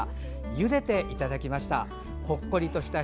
ゆでていただきました。